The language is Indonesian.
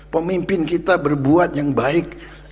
pemimpin kita berbuat yang baik